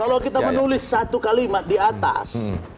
kalau kita menulis satu kalimat di atas